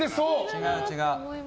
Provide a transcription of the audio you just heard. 違う違う。